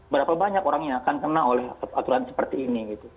berapa banyak orang yang akan kena oleh aturan seperti ini